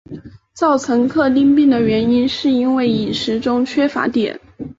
造成克汀病的原因是因为饮食中缺乏碘。